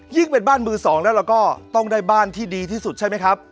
เป็นบ้านมือสองแล้วเราก็ต้องได้บ้านที่ดีที่สุดใช่ไหมครับ